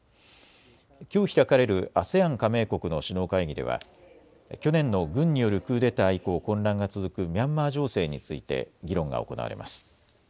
きょう開かれるＡＳＥＡＮ加盟国の首脳会議では去年の軍によるクーデター以降、混乱が続くミャンマー情勢について議論が行われます。